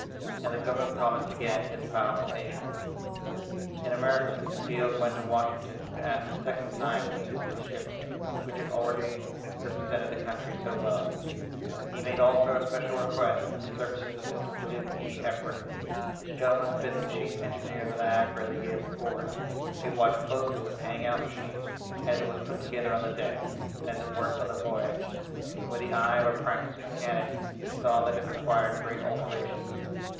And the Government promised again its powerful aid. In America, Mr. Field went to Washington to ask a second time the use of the ships, which had already represented the country so well. He made also a special request for the services of Mr. William E. Everett. This gentleman had been the chief engineer of the Niagara the year before. He had watched closely the paying out machine, as it was put together on the deck, and as it worked on the voyage, and with the eye of a practised mechanic, he saw that it required great alterations.